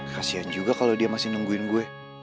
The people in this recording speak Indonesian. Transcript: kasian juga kalau dia masih nungguin gue